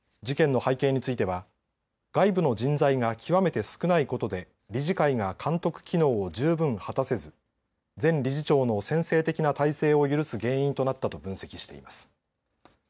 事件の背景については外部の人材が極めて少ないことで理事会が監督機能を十分果たせず前理事長の専制的な体制を許す原因となったと分析しています。